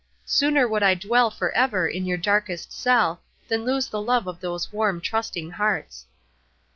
sooner would I dwell for ever in your darkest cell, than lose the love of those warm, trusting hearts."